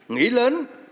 nghĩ lớn nghĩ tổng thể